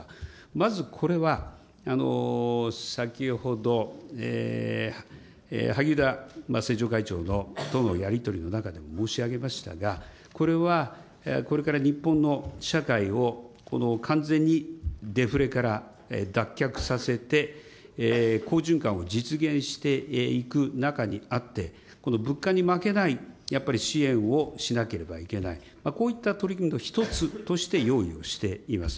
まずこれは、先ほど萩生田政調会長とのやり取りの中で申し上げましたが、これはこれから日本の社会を完全にデフレから脱却させて、好循環を実現していく中にあって、物価に負けないやっぱり支援をしなければいけない、こういった取り組みの１つとして用意をしています。